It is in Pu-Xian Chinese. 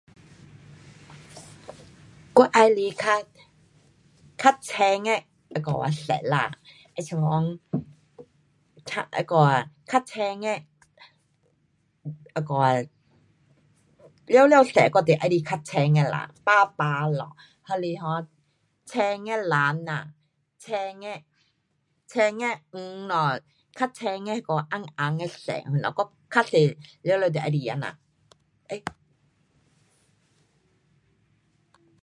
我喜欢较，较浅的那个啊色啦，好像讲，青，那个啊，较浅的，那个啊，全部色我都喜欢较浅的啦，白白咯，还是[um]浅的蓝呐，浅的，浅的黄咯，较浅的那个红红的色咯，我较多全部都喜欢这样。诶